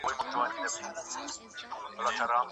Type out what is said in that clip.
بهرنۍ پالیسي د نړیوالو اړیکو کمزوري نه کوي.